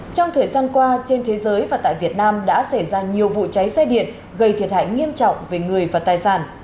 trong thời gian qua trên thế giới và tại việt nam đã xảy ra nhiều vụ cháy xe điện gây thiệt hại nghiêm trọng về người và tài sản